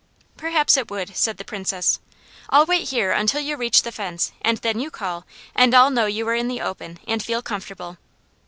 "Perhaps it would," said the Princess. "I'll wait here until you reach the fence and then you call and I'll know you are in the open and feel comfortable."